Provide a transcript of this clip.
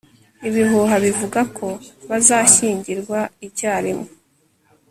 ibihuha bivuga ko bazashyingirwa icyarimwe